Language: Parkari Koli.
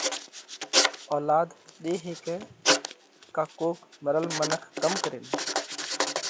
اولاڌ ۮي هيڪئه؟ ڪا ڪوڪ مرل منک ڪم ڪرينَ